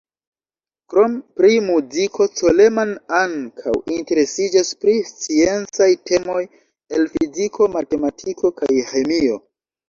Krom pri muziko Coleman ankaŭ interesiĝas pri sciencaj temoj el fiziko, matematiko kaj ĥemio.